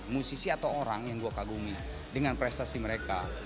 musisi atau orang yang gue kagumi dengan prestasi mereka